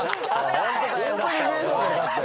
「ホント大変だった」